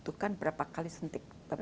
butuhkan berapa kali suntik